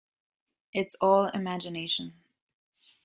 It’s all imagination.